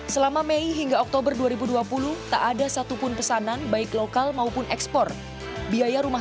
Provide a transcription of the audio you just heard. selama mei hingga oktober dua ribu dua puluh tak ada satupun pesanan baik lokal maupun ekspor biaya rumah